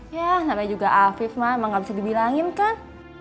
ya sampai juga afif mah emang gak bisa dibilangin kan